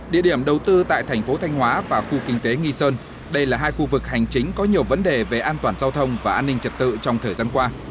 địa điểm đầu tư tại thành phố thanh hóa và khu kinh tế nghi sơn đây là hai khu vực hành chính có nhiều vấn đề về an toàn giao thông và an ninh trật tự trong thời gian qua